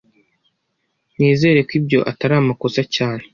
Nizere ko ibyo atari amakosa cyane